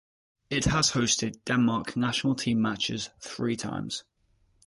It has hosted Denmark national team matches three times.